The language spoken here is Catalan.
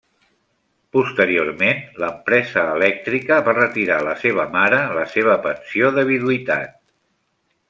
Posteriorment, l'empresa elèctrica va retirar a la seva mare la seva pensió de viduïtat.